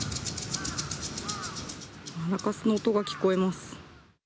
マラカスの音が聞こえます。